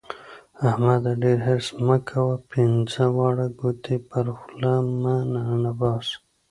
احمده! ډېر حرص مه کوه؛ پينځه واړه ګوتې پر خوله مه ننباسه.